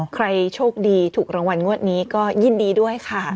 ใครโชคดีถูกรางวัลงวดนี้ก็ยินดีด้วยค่ะ